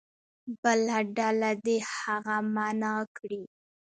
بله ډله دې هغه معنا کړي.